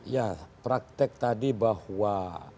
ya praktek tadi bahwa